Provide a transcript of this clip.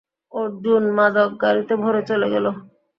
অর্জুন মাদক গাড়িতে ভরে চেলে গেল।